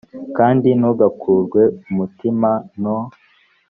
kandi ntugakurwe umutima no